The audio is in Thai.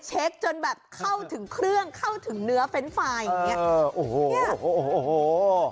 เช็คจนแบบเข้าถึงเครื่องเข้าถึงเนื้อเฟ้นไฟล์อย่างเงี้ยเออโอ้โห